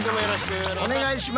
お願いします。